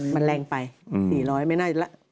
มันแรงไป๔๐๐ไม่น่าจะละ